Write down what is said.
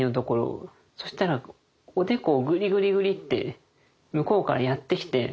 そしたらおでこをぐりぐりぐり！って向こうからやってきて。